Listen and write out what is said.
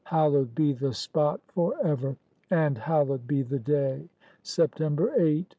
Hallowed be the spot forever, and Hallowed be the day — September 8, 1771!